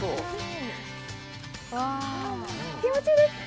気持ちいいです。